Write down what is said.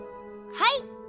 はい！